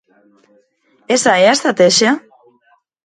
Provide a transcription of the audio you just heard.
¿Esa é a estratexia?